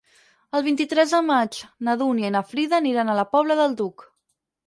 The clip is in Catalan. El vint-i-tres de maig na Dúnia i na Frida aniran a la Pobla del Duc.